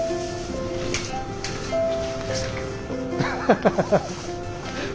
ハハハハッ。